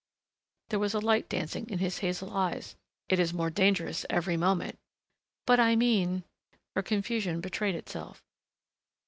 There was a light dancing in his hazel eyes. "It is more dangerous every moment " "But I mean " Her confusion betrayed itself.